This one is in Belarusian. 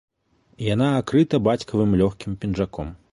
Яна акрыта бацькавым лёгкім пінжаком.